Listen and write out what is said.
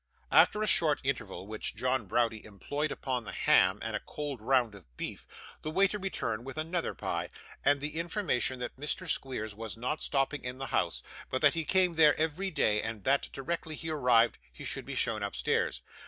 After a short interval, which John Browdie employed upon the ham and a cold round of beef, the waiter returned with another pie, and the information that Mr. Squeers was not stopping in the house, but that he came there every day and that directly he arrived, he should be shown upstairs.